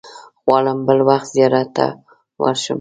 غواړم بل وخت زیارت ته ورشم.